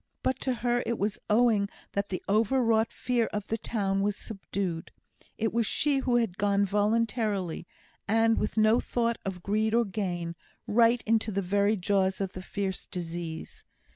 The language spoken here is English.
But to her it was owing that the overwrought fear of the town was subdued; it was she who had gone voluntarily, and, with no thought of greed or gain, right into the very jaws of the fierce disease.